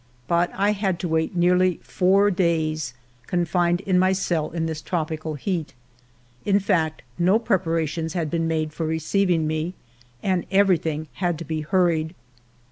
But I had to wait nearly four days, confined in my cell in this tropical heat. In fact, no prepara tions had been made for receiving me, and every thing had to be hurried.